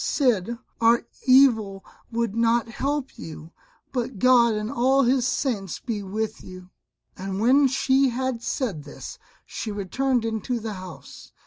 Cid, our evil would not help you, but God and all His saints be with you." And when she had said this she returned into the house.